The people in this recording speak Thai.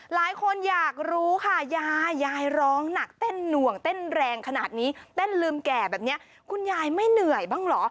หลายคนอยากรู้ค่ะยายยายร้องหนักเต้นหน่วงเต้นแรงขนาดนี้เต้นลืมแก่แบบนี้คุณยายไม่เหนื่อยบ้างเหรอ